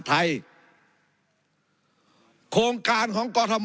จะต้องได้รับความเห็นชอบจากรัฐมนตรีว่าการกระทรวงมหาดไทย